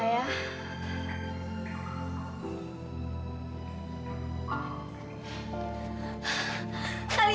kau harus bertemu dewa langit